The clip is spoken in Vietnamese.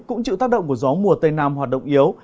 cũng chịu tác động của gió mùa tây nam hoạt động yếu